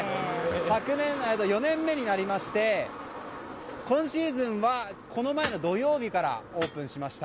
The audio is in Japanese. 今年で４年目になりまして今シーズンはこの前の土曜日からオープンしました。